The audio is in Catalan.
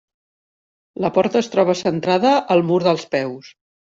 La porta es troba centrada al mur dels peus.